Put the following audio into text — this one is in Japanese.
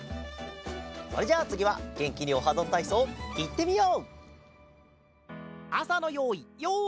それじゃあつぎはげんきに「オハどんたいそう」いってみよう。